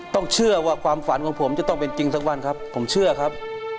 ต้องเชื่อว่าความฝันของผมจะต้องเป็นจริงสักวันครับผมเชื่อครับ